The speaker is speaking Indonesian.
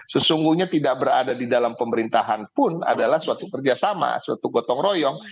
sesungguhnya tidak berada di dalam pemerintahan pun adalah suatu kerjasama suatu gotong royong